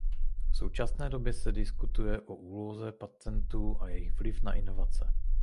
V současné době se diskutuje o úloze patentů a jejich vliv na inovace.